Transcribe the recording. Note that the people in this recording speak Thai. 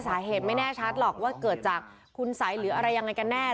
สาเหตุไม่แน่ชัดหรอกว่าเกิดจากคุณไสอย่างไรกันแน่